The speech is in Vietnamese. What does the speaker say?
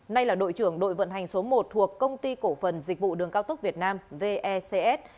nay là đội trưởng đội vận hành số một thuộc công ty cổ phần dịch vụ đường cao tốc việt nam vecs